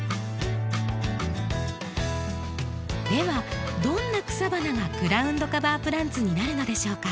ではどんな草花がグラウンドカバープランツになるのでしょうか？